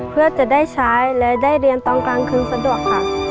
เพื่อจะได้ใช้และได้เรียนตอนกลางคืนสะดวกค่ะ